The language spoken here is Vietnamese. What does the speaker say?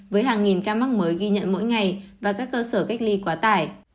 với hàng nghìn ca mắc mới ghi nhận mỗi ngày và các cơ sở cách ly quá tải